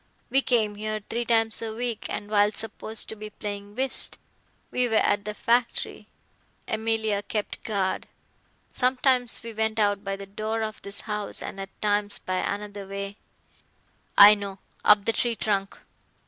We came here three times a week, and while supposed to be playing whist, we were at the factory. Emilia kept guard. Sometimes we went out by the door of this house and at times by another way " "I know. Up the tree trunk."